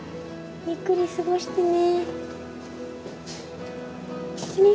ゆっくり過ごしてね。